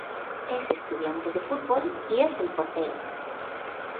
Es estudiante de fútbol y es el portero.